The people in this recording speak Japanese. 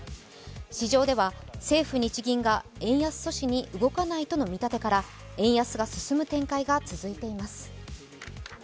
市場では政府日銀が円安阻止に動かないとの見立てから円安が進む展開が続いています。